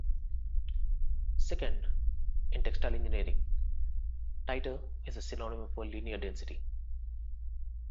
Second, in textile engineering, titer is a synonym for linear density.